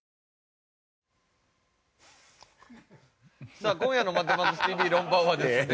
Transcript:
さあ今夜の『マッドマックスＴＶ論破王』はですね